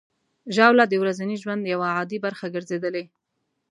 ژاوله د ورځني ژوند یوه عادي برخه ګرځېدلې.